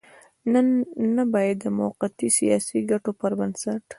نن نه بايد د موقتي سياسي ګټو پر بنسټ.